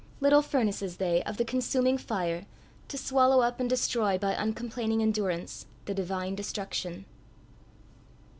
little furnaces they, of the consuming fire, to swallow up and destroy by uncomplaining endurance the divine destruction!